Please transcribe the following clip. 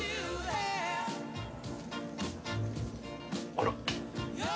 あら。